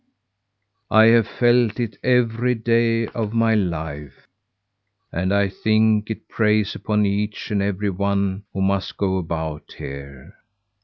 I have felt it every day of my life; and I think it preys upon each and every one who must go about here.